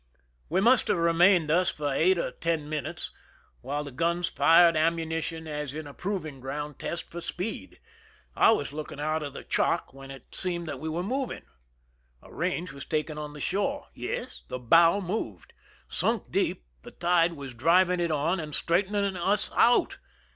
We must have remained thus for eight or ten minutes, while the guns fired ammunition as in a proving ground test for speed. I was looking out of the chock, when it seemed that we were moving. A range was taken on the shore. Yes, the bow moved. Sunk deep, the tide was driving it on and straightening us out.